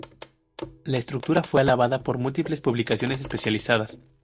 La estructura fue alabada por múltiples publicaciones especializadas.